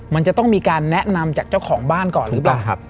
มันจะต้องมีการแนะนำจากเจ้าของบ้านก่อนหรือเปล่า